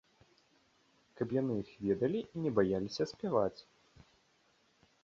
Каб яны іх ведалі і не баяліся спяваць.